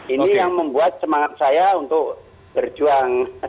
ini yang membuat semangat saya untuk berjuang